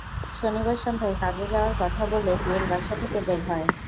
শনিবার সন্ধ্যায় কাজে যাওয়ার কথা বলে জুয়েল বাসা থেকে বের হয়।